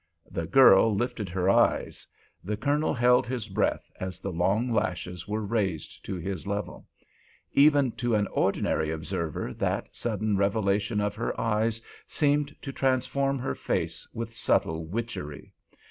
The girl lifted her eyes. The Colonel held his breath as the long lashes were raised to his level. Even to an ordinary observer that sudden revelation of her eyes seemed to transform her face with subtle witchery.